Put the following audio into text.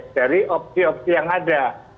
dari opsi opsi yang ada